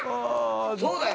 「そうだよ。